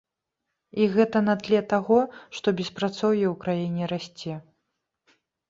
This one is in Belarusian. І гэта на тле таго, што беспрацоўе ў краіне расце.